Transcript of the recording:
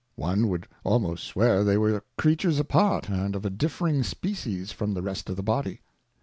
One would almost swear they were Creatures apart, and of a differing Species from the rest of the Body.